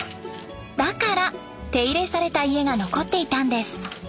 だから手入れされた家が残っていたんです。